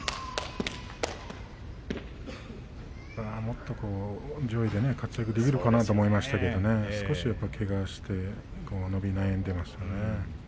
もっと上位で活躍できるかなと思いましたけれども、少しけがをして伸び悩んでいますね。